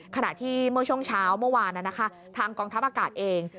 ขณะที่เมื่อช่วงเช้าเมื่อวานทางกองทัพอากาศเอง